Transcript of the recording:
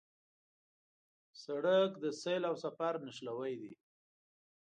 سړک د سیل او سفر نښلوی دی.